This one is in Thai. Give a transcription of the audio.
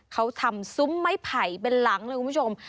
เขาทำซุ้มไม้ไผ่เป็นหลังเลยคุณผู้ชม